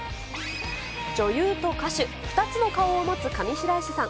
女優と歌手、２つの顔を持つ上白石さん。